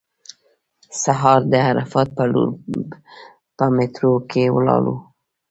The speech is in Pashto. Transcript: سهار د عرفات په لور په میټرو کې ولاړو.